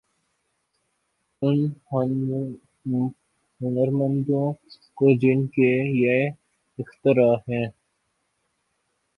ان ہنرمندوں کو جن کی یہ اختراع ہے۔